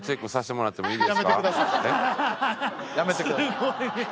すごいね。